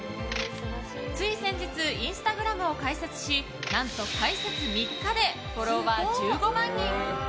つい先日インスタグラムを開設し何と開設３日でフォロワー１５万人。